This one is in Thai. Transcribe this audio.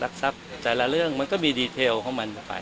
ทรัพย์แต่ละเรื่องมันก็มีดีเทลของมันต่อไป